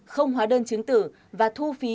không hóa đơn chứng tử và thu phí